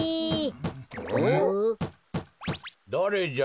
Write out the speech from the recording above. だれじゃ？